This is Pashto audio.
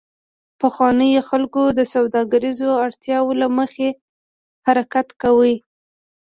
پخوانیو خلکو د سوداګریزو اړتیاوو له مخې حرکت کاوه